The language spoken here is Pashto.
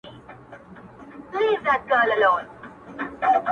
چي آدم نه وو، چي جنت وو دنيا څه ډول وه,